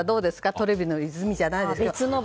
トレビの泉じゃないですが。